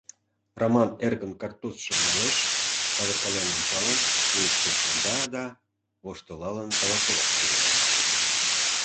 Раман эркын картузшым налеш, савыркален ончалын, вуйышкыжо шында да, воштылалын, каласылаш тӱҥалеш.